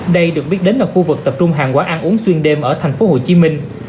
đây được biết đến là khu vực tập trung hàng quán ăn uống xuyên đêm ở thành phố hồ chí minh